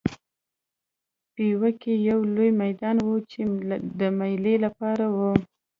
پېوه کې یو لوی میدان و چې د مېلې لپاره و.